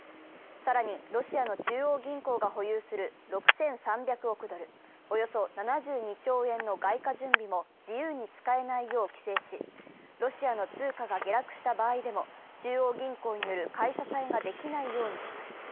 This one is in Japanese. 更に、ロシアの中央銀行が保有する６３００億ドル、およそ７２兆円の外貨準備も自由に使えないよう規制しロシアの通貨が下落した場合でも中央銀行による買い支えができないようにします。